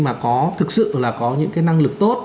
mà có thực sự là có những cái năng lực tốt